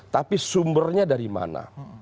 tapi sumbernya dari mana